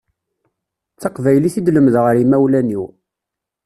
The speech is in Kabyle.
D taqbaylit i d-lemdeɣ ar imawlan-iw.